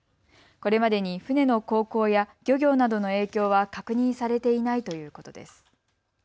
これまでに船の航行や漁業などの影響は確認されていないということです。